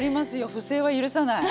不正は許さない。